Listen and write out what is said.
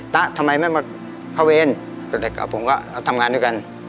แต่แก่ผมก็ทำงานด้วยกัน